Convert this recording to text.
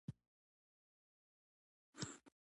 دا به بیا په مخه دانګی، دازموږ جنګی آسونه